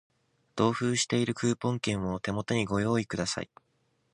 同封しているクーポン券を手元にご用意ください